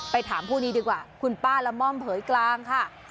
ถามผู้นี้ดีกว่าคุณป้าละม่อมเผยกลางค่ะ